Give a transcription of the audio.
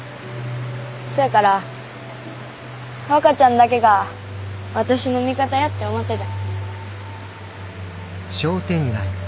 そやから和歌ちゃんだけが私の味方やって思ってた。